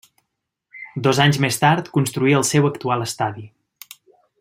Dos anys més tard construí el seu actual estadi.